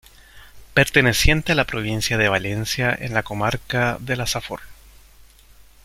Perteneciente a la provincia de Valencia, en la comarca de la Safor.